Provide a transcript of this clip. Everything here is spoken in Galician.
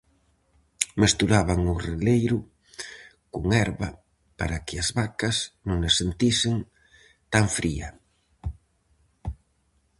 Mesturaban o releiro con herba para que as vacas non a sentisen tan fría.